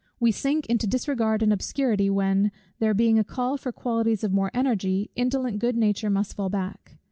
We sink into disregard and obscurity when, there being a call for qualities of more energy, indolent good nature must fall back.